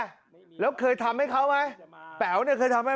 พระอาจารย์ออสบอกว่าอาการของคุณแป๋วผู้เสียหายคนนี้อาจจะเกิดจากหลายสิ่งประกอบกัน